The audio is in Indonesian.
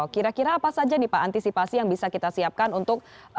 kira kira apa saja nih pak antisipasi yang bisa kita siapkan untuk